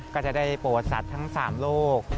ก็จะได้โปรดสัตว์ทั้ง๓โรค